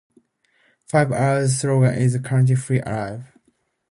Five Alive's slogan is currently Feel Alive!